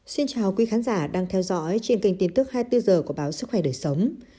xin chào quý khán giả đang theo dõi trên kênh tin tức hai mươi bốn h của báo sức khỏe đời sống